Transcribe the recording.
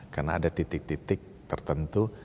karena ada titik titik tertentu